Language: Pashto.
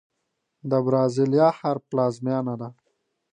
د برازیلیا ښار پلازمینه ده.